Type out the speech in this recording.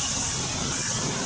kota yang terkenal dengan